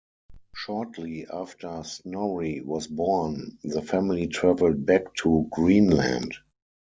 Shortly after Snorri was born, the family traveled back to Greenland.